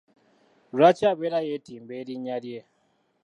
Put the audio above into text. Lwaki abeera yeetimba erinnya lye?